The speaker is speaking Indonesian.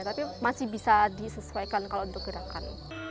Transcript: tapi masih bisa disesuaikan kalau untuk gerakan